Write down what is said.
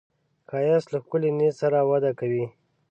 ښایست له ښکلي نیت سره وده کوي